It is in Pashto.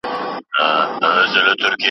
په دغې ډوډۍ کي مالګه لږ وه.